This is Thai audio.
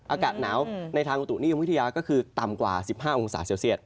อากาศหนาวในทางอุตุนิยมวิทยาก็คือต่ำกว่า๑๕องศาเซลเซียต